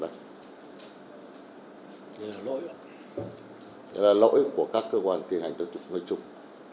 đây là lỗi của các cơ quan tiến hành tố tụng